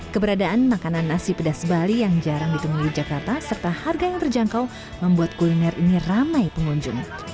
keberadaan makanan nasi pedas bali yang jarang ditemui di jakarta serta harga yang terjangkau membuat kuliner ini ramai pengunjung